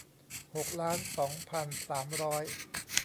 หกล้านสองพันสามร้อย